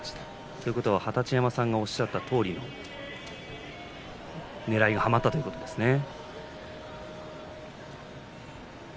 ということは二十山さんがおっしゃったとおりのねらいがはまったということですね。